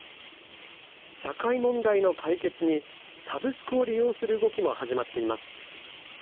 社会問題の解決にサブスクを利用する動きも始まっています。